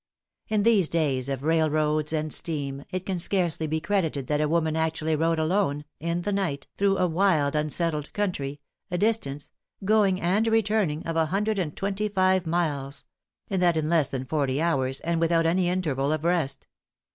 In these days of railroads and steam, it can scarcely be credited that a woman actually rode alone, in the night, through a wild unsettled country, a distance going and returning of a hundred and twenty five miles; and that in less than forty hours, and without any interval of rest!